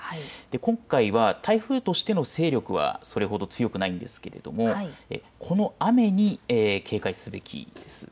今回は台風としての勢力はそれほど強くないんですけれどもこの雨に警戒すべきなんです。